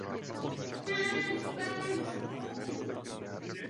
Kolem tlamy má skvrny tmavé barvy.